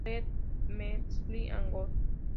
Le Mesnil-Angot